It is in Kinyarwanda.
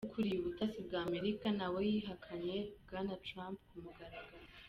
Ukuriye ubutasi bw'Amerika na we yihakanye Bwana Trump ku mugaragaro.